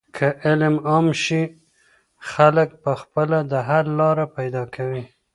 که علم عام شي، خلک په خپله د حل لارې پیدا کوي.